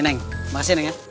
neng makasih ya